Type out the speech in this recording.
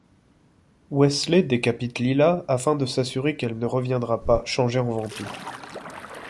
Wesley décapite Lilah afin de s'assurer qu'elle ne reviendra pas changée en vampire.